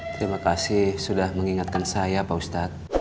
terima kasih sudah mengingatkan saya pak ustadz